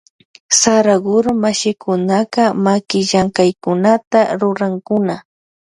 Saraguro mashikunaka makillamkaykunata rurankuna.